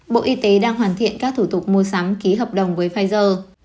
bộ y tế đang hoàn thiện các thủ tục mua sắm ký hợp đồng với pfizer